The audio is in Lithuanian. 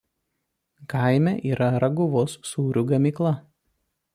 Kaime yra Raguvos sūrių gamykla.